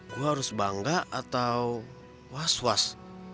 gue harus bangga atau was was